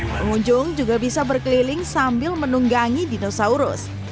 pengunjung juga bisa berkeliling sambil menunggangi dinosaurus